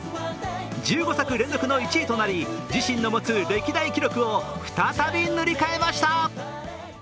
１５作連続の１位となり自身の持つ歴代記録を再び塗り替えました。